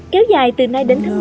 kéo dài từ nay đến tháng năm